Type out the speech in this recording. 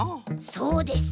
そうです。